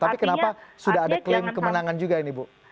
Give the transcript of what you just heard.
tapi kenapa sudah ada klaim kemenangan juga ini bu